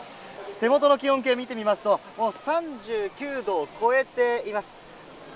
手元の気温計を見てみますと、もう３９度を超えています。